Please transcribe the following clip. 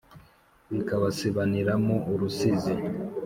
Bikabasibaniramo urusizi